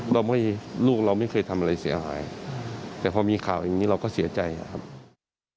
เราไม่ลูกเราไม่เคยทำอะไรเสียหายแต่พอมีข่าวอย่างนี้เราก็เสียใจอะครับ